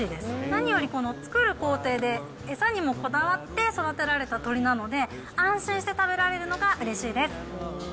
何より、この作る工程で、餌にもこだわって育てられた鶏なので、安心して食べられるのがうれしいです。